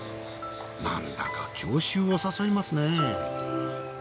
なんだか郷愁を誘いますね。